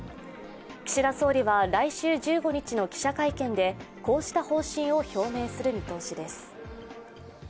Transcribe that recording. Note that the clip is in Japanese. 岸田総理は来週１５日の記者会見でこうした方針を表明する見通しです。